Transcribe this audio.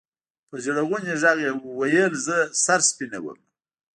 په ژړغوني ږغ يې ويل زه سر سپينومه.